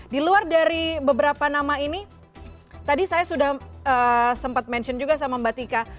di luar dari beberapa nama ini tadi saya sudah sempat mention juga sama mbak tika